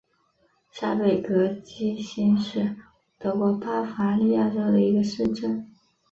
下贝格基兴是德国巴伐利亚州的一个市镇。